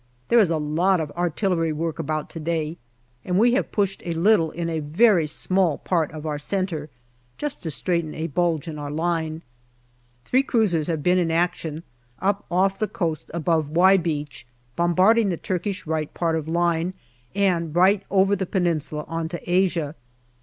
There is a lot of artillery work about to day, and we have pushed a little in a very small part of our centre, just to straighten a bulge in our line. Three cruisers have been in action up off the coast above " Y " Beach, bom barding the Turkish right part of line, and right over the Peninsula on to Asia.